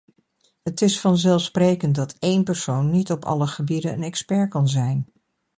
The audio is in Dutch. Het is vanzelfsprekend dat één persoon niet op alle gebieden een expert kan zijn.